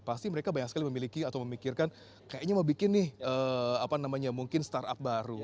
pasti mereka banyak sekali memiliki atau memikirkan kayaknya mau bikin nih apa namanya mungkin startup baru